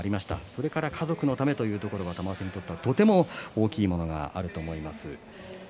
それから家族のためというのがとても大きいものがあると思います。